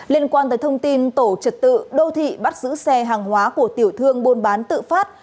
liên quan tới thông tin tổ trật tự đô thị bắt giữ xe hàng hóa của tiểu thương buôn bán tự phát